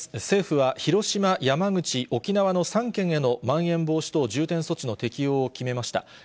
政府は広島、山口、沖縄の３県へのまん延防止等重点措置の適用を決めました。